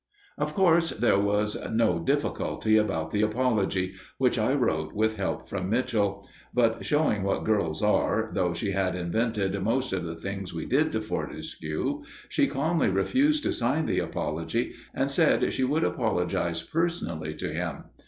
Of course, there was no difficulty about the apology, which I wrote with help from Mitchell; but, showing what girls are, though she had invented most of the things we did to Fortescue, she calmly refused to sign the apology and said she should apologise personally to him.